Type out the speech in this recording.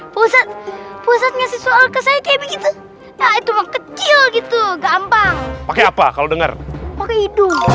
pusat pusatnya siswa ke saya kayak begitu ya itu kecil gitu gampang pakai apa kalau dengar hidung